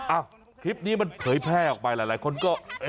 คลิปนี้มันเผยแพร่ออกไปหลายคนก็